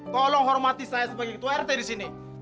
tolong hormati saya sebagai ketua rt disini